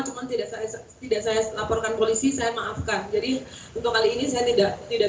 cuma tidak saya tidak saya laporkan polisi saya maafkan jadi untuk kali ini saya tidak tidak